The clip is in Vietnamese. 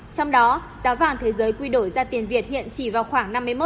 trong đó giá vàng thế giới quy đổi ra tiền việt hiện chỉ vào khoảng năm triệu